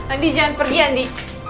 andi jangan pergi andi